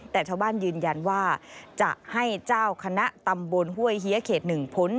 แต่ชาวบ้านยืนยันว่าจะให้เจ้าคณะตำบลห้วยเฮียเขต๑พ้น